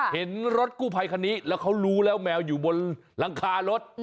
เห็นรถกู้ภัยคันนี้แล้วเขารู้แล้วแมวอยู่บนหลังคารถ